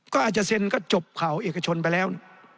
ก็อาจจะเซ็นก็จบข่าวเอกชนไปแล้ว